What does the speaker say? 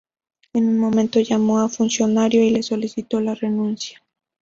En un momento llamó a un funcionario y le solicitó la renuncia.